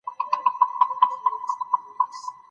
د ازاد ژوند پیغام یې خپور کړ